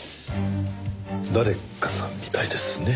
誰かさんみたいですね。